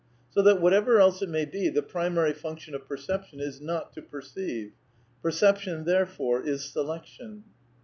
(Page 255.) So that, whatever else it may be, the primary function of perception is not to perceive. Perception, therefore, is selection.